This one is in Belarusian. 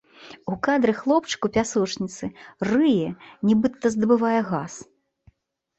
У кадры хлопчык у пясочніцы, рые, нібыта здабывае газ.